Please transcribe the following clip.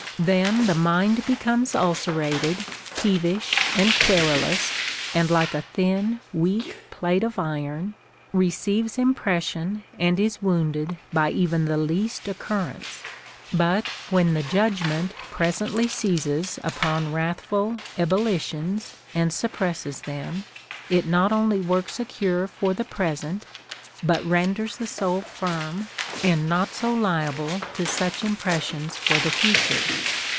Then the mind be comes ulcerated, peevish, and querulous, and like a thin, weak plate of iron, receives impression and is wounded by even the least occurrence ; but when the judgment pres ently seizes upon wrathful ebullitions and suppresses them, it not only Λvorks a cure for the present, but renders the soul firm and not so liable to such impressions for the fu CONCERNING THE CURE OF ANGER. 37 tare.